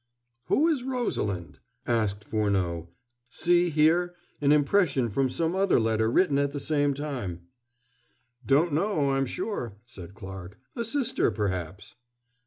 "Who is 'Rosalind'?" asked Furneaux "see here, an impression from some other letter written at the same time." "Don't know, I'm sure," said Clarke. "A sister, perhaps."